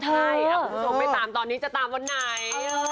ใช่ผมส่งไปตามตอนนี้จะตามวันไหน